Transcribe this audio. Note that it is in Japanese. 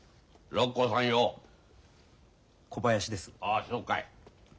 あそうかい。